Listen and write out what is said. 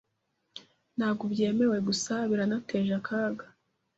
Ntabwo byemewe gusa, biranateje akaga.